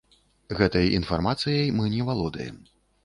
Гэтай інфармацыяй мы не валодаем.